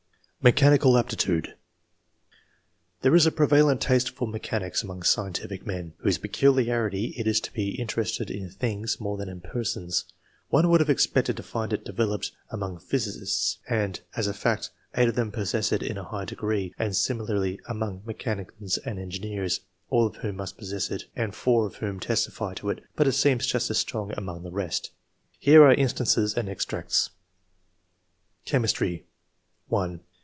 MECHANICAL APTITUDE. There is a prevalent taste for mechanics among scientific men, whose peculiarity it is II.] QUALITIES. 125 to l)e interested in things more than in persons. One would have expected to find it developed among physicists ; and, as a fact, eight of them possess it in a high degree, and similarly among mechanicians and engineers, all of whom must possess it, and four of whom testify to it, but it seems just as strong among the rest. Here are instances and extracts :— Chemistry. — 1.